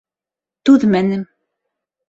Түҙмәнем...